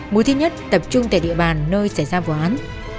mối thứ nhất tập trung tại địa bàn nơi xảy ra vụ án